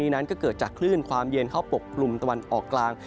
เมื่อนี้นั้นรูปสงสัยจากลื่นความเย็นเขาปรบปลุ่มตะวันออกกลาง